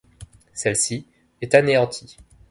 Celle-ci est anéantie.